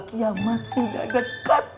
kiamat sudah dekat